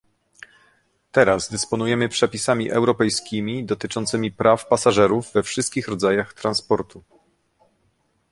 Teraz dysponujemy przepisami europejskimi dotyczącymi praw pasażerów we wszystkich rodzajach transportu